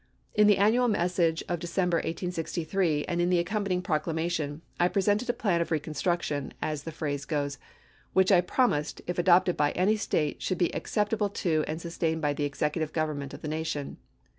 In the annual mes sage of December, 1863, and in the accompanying proclamation, I presented a plan of reconstruction, as the phrase goes, which I promised, if adopted by any State, should be acceptable to and sustained by the Executive Government of the nation.